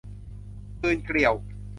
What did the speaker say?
ปีนเกลียว